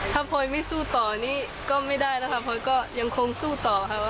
ถ้าพลอยไม่สู้ต่อนี่ก็ไม่ได้แล้วค่ะพลอยก็ยังคงสู้ต่อค่ะ